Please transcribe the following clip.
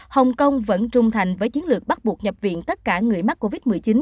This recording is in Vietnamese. hồng kông vẫn trung thành với chiến lược bắt buộc nhập viện tất cả người mắc covid một mươi chín